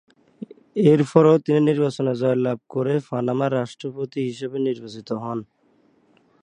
এরপরেও তিনি নির্বাচনে জয়লাভ করে পানামার রাষ্ট্রপতি হিসেবে নির্বাচিত হন।